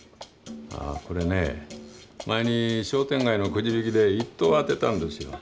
これね前に商店街のくじ引きで１等を当てたんですよ。